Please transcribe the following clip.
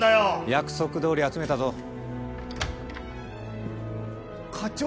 約束どおり集めたぞ課長？